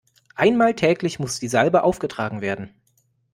Einmal täglich muss die Salbe aufgetragen werden.